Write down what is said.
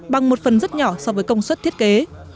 bằng một phần rất nhỏ so với công suất thiết kế